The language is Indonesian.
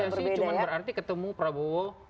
rekonsiliasi cuma berarti ketemu prabowo